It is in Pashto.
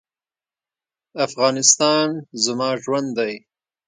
افغانستان زما ژوند دی